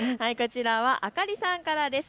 あかりさんからです。